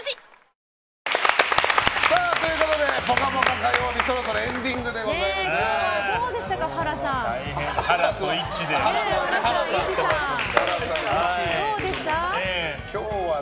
火曜日そろそろエンディングでございますね。